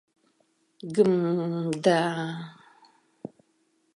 — Гм... да...